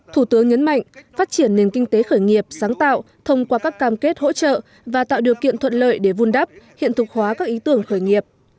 thủ tướng nhấn mạnh phát triển nền kinh tế khởi nghiệp sáng tạo thông qua các cam kết hỗ trợ và tạo điều kiện thuận lợi để vun đắp hiện thực hóa các ý tưởng khởi nghiệp